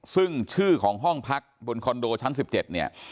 ซึ่งชื่อของห้องพักบนคอนโดชั้น๑๗เนี่ย